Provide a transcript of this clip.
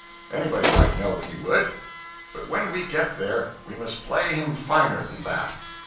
Anybody might know he would. But when we get there, we must play him finer than that.